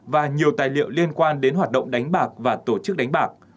và nhiều tài liệu liên quan đến hoạt động đánh bạc và tổ chức đánh bạc